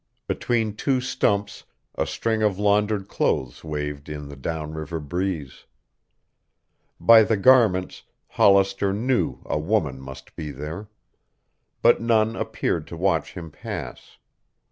Between two stumps a string of laundered clothes waved in the down river breeze. By the garments Hollister knew a woman must be there. But none appeared to watch him pass.